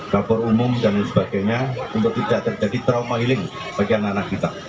dapur umum dan lain sebagainya untuk tidak terjadi trauma healing bagi anak anak kita